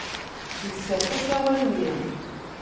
Yessers asawal-nni.